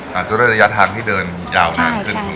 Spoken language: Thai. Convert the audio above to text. อาจจะด้วยระยะทางที่เดินยาวนานขึ้น